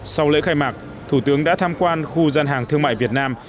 sau lễ khai mạc thủ tướng đã tham quan khu gian hàng thương mại việt nam